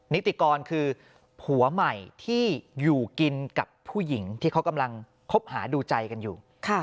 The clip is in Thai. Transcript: นิติกรคือผัวใหม่ที่อยู่กินกับผู้หญิงที่เขากำลังคบหาดูใจกันอยู่